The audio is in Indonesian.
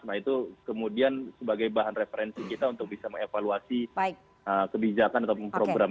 nah itu kemudian sebagai bahan referensi kita untuk bisa mengevaluasi kebijakan atau program